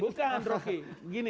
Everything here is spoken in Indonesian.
bukan roki gini gini